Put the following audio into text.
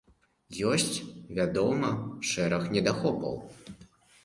Ёсць, вядома, шэраг недахопаў.